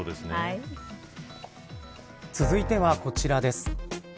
続いてはこちらです。